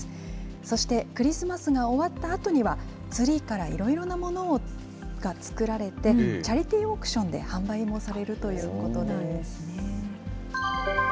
そしてクリスマスが終わったあとには、ツリーからいろいろなものが作られて、チャリティーオークションで販売もされるということです。